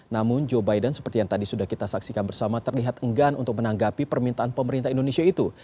namun joe biden seperti yang tadi sudah kita saksikan bersama terlihat enggan untuk menanggapi permintaan pemerintah indonesia itu